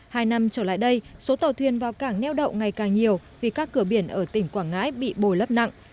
hai năm trở lại đây số tàu thuyền vào cảng neo đậu ngày càng nhiều vì các cửa biển ở tỉnh quảng ngãi bị bồi lấp nặng